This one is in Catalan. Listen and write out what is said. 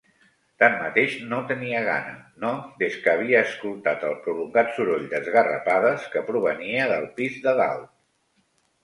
Tanmateix, no tenia tanta gana, no des que havia escoltat el prolongat soroll d'esgarrapades que provenia del pis de dalt.